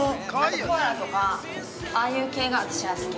◆あと、コアラとか、ああいう系が、私は好き。